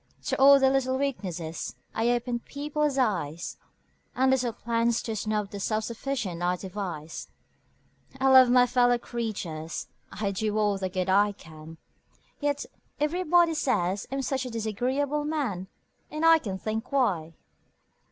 To all their little weaknesses I open people's eyes And little plans to snub the self sufficient I devise; I love my fellow creatures I do all the good I can Yet everybody say I'm such a disagreeable man! And I can't think why!